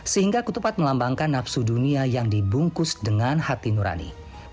sehingga ketupat melambangkan nafsu dunia yang dibungkus dengan hati nurani